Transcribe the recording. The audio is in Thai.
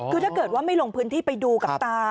คือถ้าเกิดว่าไม่ลงพื้นที่ไปดูกับตา